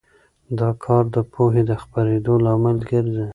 دا کار د پوهې د خپرېدو لامل ګرځي.